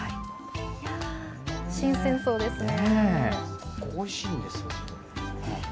新鮮そうですね。